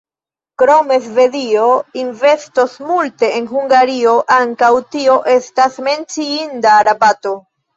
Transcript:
Krome Svedio investos multe en Hungario – ankaŭ tio estas menciinda rabato.